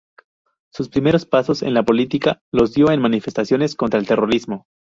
Sus primeros pasos en la política los dio en manifestaciones contra el terrorismo.